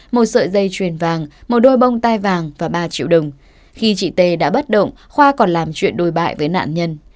một sợi dây truyền vàng một đôi bông tai vàng và ba triệu đồng khi chị tê đã bắt động khoa còn làm chuyện đối bại với nạn nhân